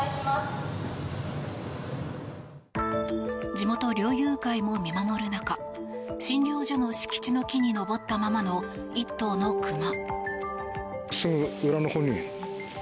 地元猟友会も見守る中診療所の敷地の木に登ったままの１頭のクマ。